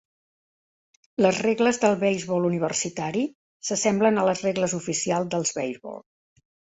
Les regles del beisbol universitari s'assemblen a les regles oficials dels beisbol.